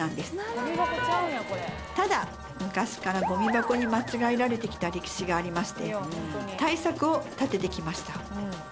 ただ昔からゴミ箱に間違えられてきた歴史がありまして対策を立ててきました